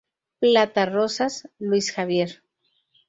Plata Rosas, Luis Javier.